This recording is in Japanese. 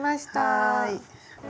はい。